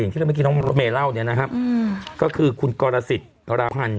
อย่างที่เราเมื่อกี้น้องเมล่าเนี่ยนะครับก็คือคุณกรสิทธิ์ราวราวัน